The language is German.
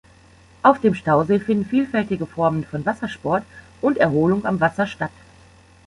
Auf dem Stausee finden vielfältige Formen von Wassersport und Erholung am Wasser statt.